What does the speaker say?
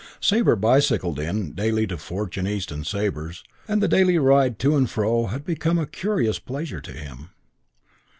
Sabre bicycled in daily to Fortune, East and Sabre's, and the daily ride to and fro had become a curious pleasure to him.